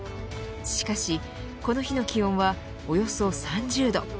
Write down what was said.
しかし、この日の気温はおよそ３０度。